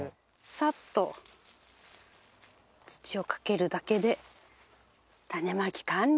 さっと土をかけるだけで種まき完了！